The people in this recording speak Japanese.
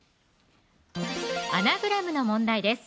アナグラムの問題です